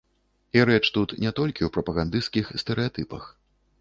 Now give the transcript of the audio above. І рэч тут не толькі ў прапагандысцкіх стэрэатыпах.